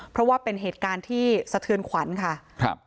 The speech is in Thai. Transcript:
เพราะว่าเป็นเหตุการณ์ที่สะเทือนขวัญค่ะครับ